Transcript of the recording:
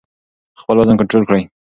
خپل وزن کنټرول کړئ.